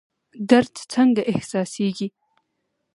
درد څنګه احساسیږي؟